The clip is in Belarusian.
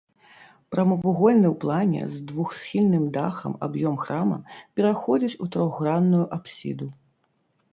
Прамавугольны ў плане з двухсхільным дахам аб'ём храма пераходзіць у трохгранную апсіду.